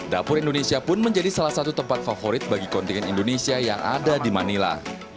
dapur indonesia pun menjadi salah satu tempat favorit bagi kontingen indonesia yang ada di manila